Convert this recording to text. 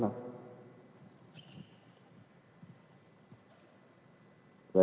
saya kira sudah selesai